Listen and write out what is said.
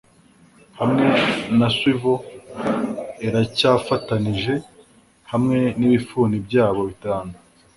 hamwe na swivel iracyafatanije, hamwe nibifuni byabo bitanu